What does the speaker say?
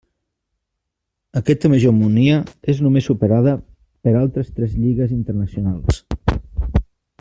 Aquesta hegemonia és només superada per altres tres lligues internacionals.